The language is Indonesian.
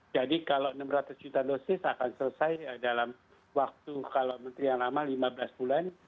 jadi kalau enam ratus juta dosis akan selesai dalam waktu kalau menteri yang lama lima belas bulan